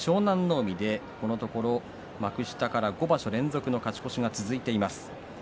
海、このところ幕下５場所連続の勝ち越しが続いています。